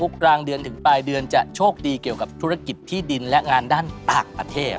กลางเดือนถึงปลายเดือนจะโชคดีเกี่ยวกับธุรกิจที่ดินและงานด้านต่างประเทศ